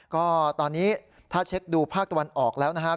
ก็ตอนนี้ถ้าเช็คดูภาคตะวันออกแล้วนะครับ